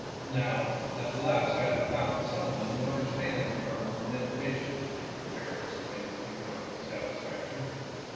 "Now at last I have found some one who understands the art of lamentation," the bear exclaimed with a grunt of satisfaction.